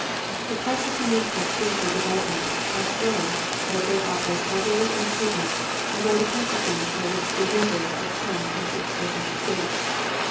The processes of spiritual development are slow but they are as orderly and certain as are the processes by which the universe So Quiet Hints to Growing Preachers. has come to its present estate.